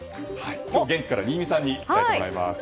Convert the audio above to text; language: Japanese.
今日は現地から新美さんに伝えてもらいます。